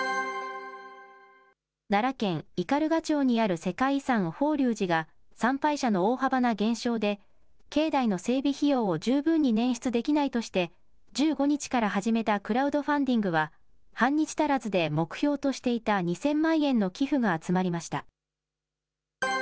奈良県斑鳩町にある世界遺産、法隆寺が参拝者の大幅な減少で境内の整備費用を十分に捻出できないとして、１５日から始めたクラウドファンディングは、半日足らずで目標としていた２０００万円の寄付が集まりました。